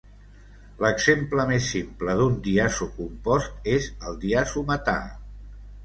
L'exemple més simple d'un diazocompost és el diazometà.